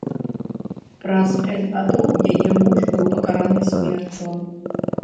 Праз пяць гадоў яе муж быў пакараны смерцю.